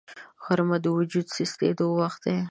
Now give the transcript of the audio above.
غرمه د وجود سستېدو وخت دی